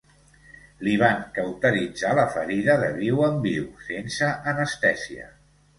Li van cauteritzar la ferida de viu en viu, sense anestèsia.